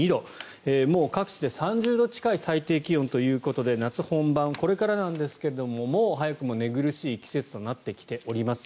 各地で３０度近い最低気温ということで夏本番これからなんですがもう早くも寝苦しい季節となってきています。